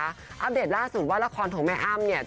อัปเดตล่าสุดว่าระครของแม่อ้ำ